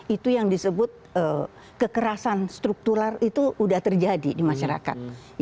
itu yang disebut kekerasan struktural itu sudah terjadi di masyarakat